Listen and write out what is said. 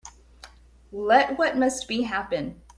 Let what must be, happen.